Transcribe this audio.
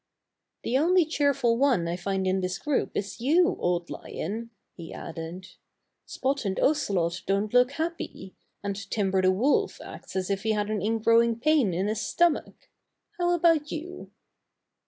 "The only cheerful one I find in this group is you, Old Lion," he added. "Spot and Oce lot don't look happy, and Timber the Wolf acts as if he had an ingrowing pain in his stomach. How about you?"